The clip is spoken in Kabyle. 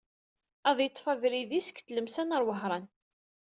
Ad d-yeṭṭef abrid-is seg Tlemsan ɣer Wehran.